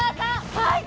はい！